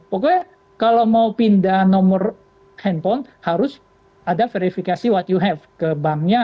pokoknya kalau mau pindah nomor handphone harus ada verifikasi what you have ke banknya